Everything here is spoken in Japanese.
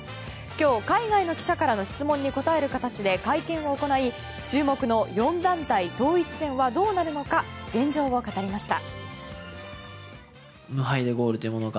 今日、海外の記者からの質問に答える形で会見を行い注目の４団体統一戦はどうなるのか現状を語りました。